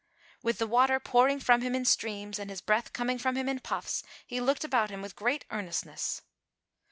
With the water pouring from him in streams, and his breath coming from him in puffs, he looked about him with great earnestness.